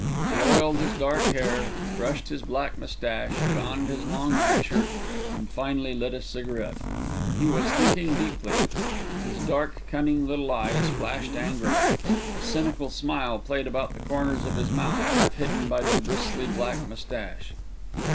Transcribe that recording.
He oiled his dark hair, brushed his black moustache, donned his long nightshirt, and finally lit a cigarette. He was thinking deeply. His dark, cunning little eyes flashed angrily. A cynical smile played about the corners of his mouth, half hidden by the bristly black moustache.